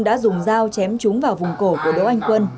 đã dùng dao chém trúng vào vùng cổ của đỗ anh quân